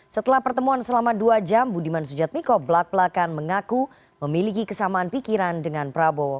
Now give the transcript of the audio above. setelah pertemuan selama dua jam budiman sujatmiko belak belakan mengaku memiliki kesamaan pikiran dengan prabowo